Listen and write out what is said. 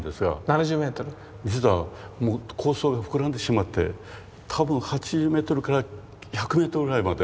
実はもう構想が膨らんでしまって多分８０メートルから１００メートルぐらいまでの間で。